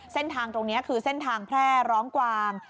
เส้นทางตรงนี้คือเส้นทางแพร่ร้องกวาง